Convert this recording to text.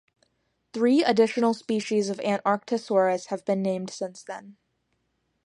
Three additional species of "Antarctosaurus" have been named since then.